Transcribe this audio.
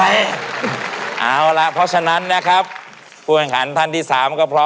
แล้วนะครับนั่นก็คือหมายเลข๑คุณวิโร่